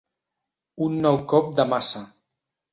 Un nou cop de maça.